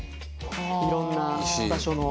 いろんな場所の。